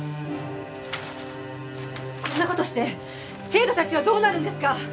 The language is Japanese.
こんな事して生徒たちはどうなるんですか！